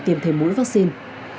tiêm thêm mũi vaccine